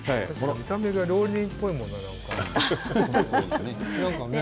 見た目が料理人っぽいのよね。